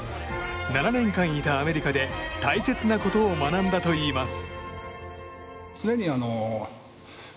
７年間いたアメリカで大切なことを学んだといいます。